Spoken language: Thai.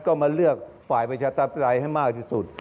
ก็มาเลือกฝ่ายประชาธิปไตยให้มากที่สุด